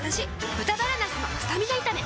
「豚バラなすのスタミナ炒め」